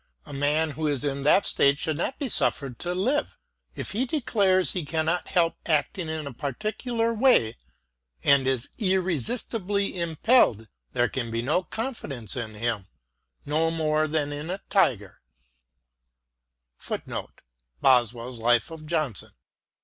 A man who is in that state should not be su£Fered to live : if he declares he cannot help acting in a particular way and is irresistibly impelled, there can be no confidence in him, no more than in a tiger."